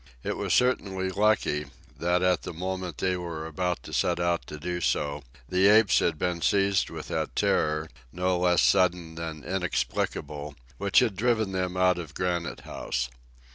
It was certainly lucky, that at the moment they were about to set out to do so, the apes had been seized with that terror, no less sudden than inexplicable, which had driven them out of Granite House.